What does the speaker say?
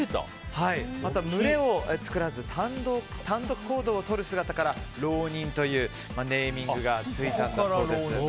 また群れを作らず単独行動をとる姿から浪人というネーミングがついたそうです。